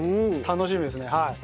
楽しみですねはい。